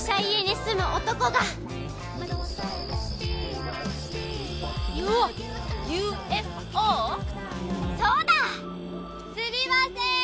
すみません！